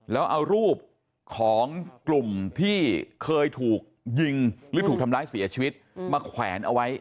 แล้วเอารูปของกลุ่มที่เคยถูกยิงหรือถูกทำร้ายเสียชีวิตมาแขวนเอาไว้